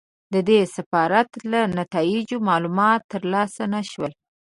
د دې سفارت له نتایجو معلومات ترلاسه نه شول.